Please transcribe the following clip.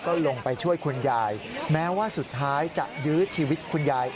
ก็ลงไปช่วยคุณยายแม้ว่าสุดท้ายจะยื้อชีวิตคุณยาย